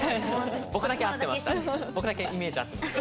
僕だけ合ってました僕だけイメージ合ってます。